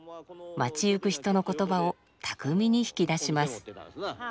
街ゆく人の言葉を巧みに引き出します。